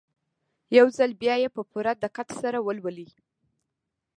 يو ځل بيا يې په پوره دقت سره ولولئ.